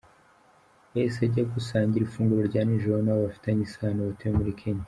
Yahise ajya gusangira ifunguro rya nijoro nabo bafitanye isano batuye muri Kenya.